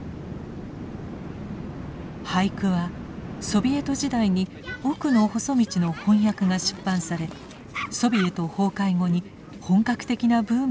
俳句はソビエト時代に「おくのほそ道」の翻訳が出版されソビエト崩壊後に本格的なブームが起きました。